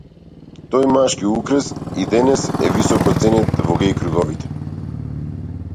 Тој машки украс и денес е високо ценет во геј круговите.